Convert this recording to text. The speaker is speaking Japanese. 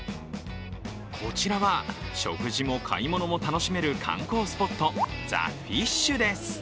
こちらは食事も買い物も楽しめる観光スポットザ・フィッシュです。